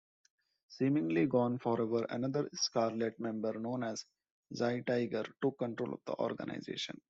Seemingly gone forever, another Scarlet member known as Xi-Tiger took control of the organization.